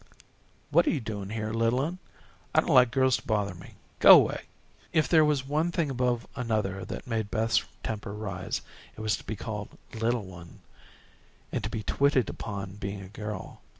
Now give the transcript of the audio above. "What are you doing here, little un? I don't like girls to bother me. Go away." If there was one thing above another that made Beth's temper rise, it was to be called "little one," and to be twitted upon being a girl.